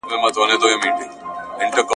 قرآن کريم د دعوت اړوند مهمي سپارښتني لري.